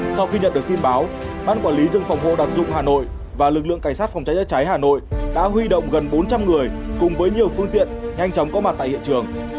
sau khi nhận được tin báo ban quản lý rừng phòng hộ đặc dụng hà nội và lực lượng cảnh sát phòng cháy cháy hà nội đã huy động gần bốn trăm linh người cùng với nhiều phương tiện nhanh chóng có mặt tại hiện trường